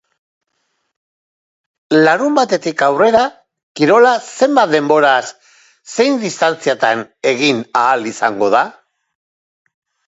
Larunbatetik aurrera kirola zenbat denboraz, zein distantziatan egin ahal izango da?